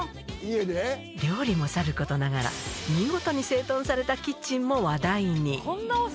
料理もさることながら見事に整頓されたキッチンも話題に。